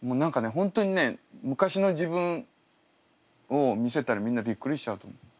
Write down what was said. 本当にね昔の自分を見せたらみんなびっくりしちゃうと思う。